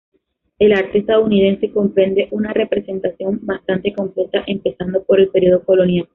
El Arte estadounidense comprende una representación bastante completa, empezando por el período Colonial.